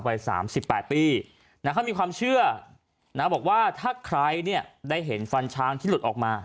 วัย๓๘ปีเขามีความเชื่อนะบอกว่าถ้าใครเนี่ยได้เห็นฟันช้างที่หลุดออกมา